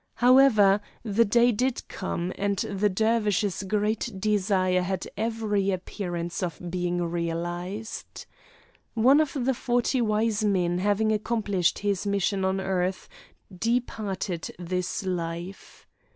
However, the day did come, and the Dervish's great desire had every appearance of being realized. One of the Forty Wise Men having accomplished his mission on earth, departed this life.